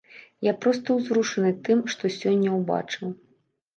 Я проста узрушаны тым, што сёння ўбачыў.